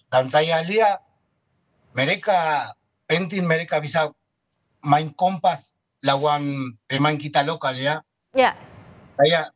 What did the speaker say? dan saya lihat mereka penting mereka bisa main kompas lawan pemain kita lokal ya